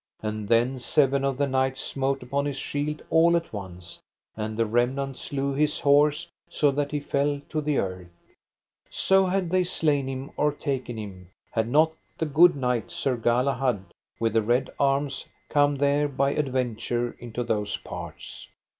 And then seven of the knights smote upon his shield all at once, and the remnant slew his horse so that he fell to the earth. So had they slain him or taken him had not the good knight, Sir Galahad, with the red arms come there by adventure into those parts.